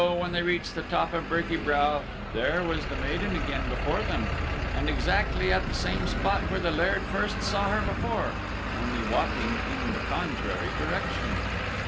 when they reached the top of Birky Brow there was the maiden again before them, and exactly at the same spot where the Laird first saw her before, only walking in the contrary direction.